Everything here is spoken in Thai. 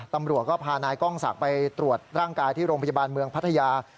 ตำรวจก็พานายกล้องศักดิ์ไปตรวจร่างกายที่โรงพยาบาลเมืองพัทยา